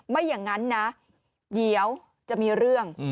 ไม่อย่างนั้นนะเดี๋ยวจะมีเรื่อง